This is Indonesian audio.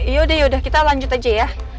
yaudah yaudah kita lanjut aja ya